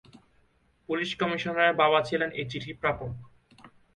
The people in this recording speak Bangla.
পুলিশ কমিশনারের বাবা ছিলেন এই চিঠির প্রাপক।